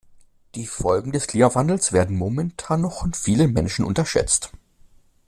Die Folgen des Klimawandels werden momentan noch von vielen Menschen unterschätzt.